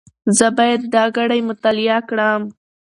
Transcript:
زه باید دا ګړې مطالعه کړم.